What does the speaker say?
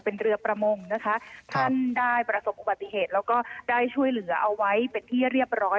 เป็นเรือประมงนะคะท่านได้ประสบอุบัติเหตุแล้วก็ได้ช่วยเหลือเอาไว้เป็นที่เรียบร้อย